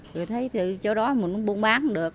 rồi thấy chỗ đó mình cũng buôn bán được